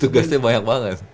tugasnya banyak banget